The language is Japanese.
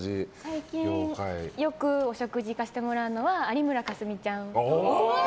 最近、よくお食事行かせてもらうのは有村架純ちゃん。